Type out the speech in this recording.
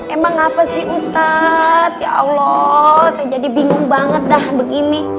emang apa sih ustadz ya allah saya jadi bingung banget dah begini